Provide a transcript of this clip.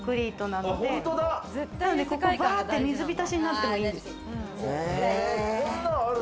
なので、ここ、バって水浸しになってもいいんです。